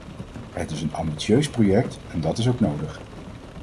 Het is een ambitieus project en dat is ook nodig.